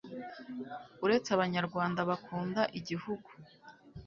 uretse Abanyarwanda bakunda igihugu.